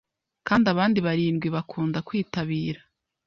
Kandi abandi barindwi bakunda kwitabira